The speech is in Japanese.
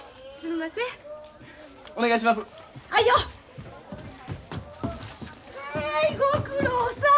はいご苦労さん！